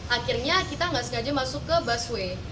akhirnya kita nggak sengaja masuk ke busway